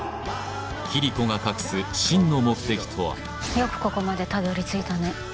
キリコが隠す真の目的とはよくここまでたどりついたね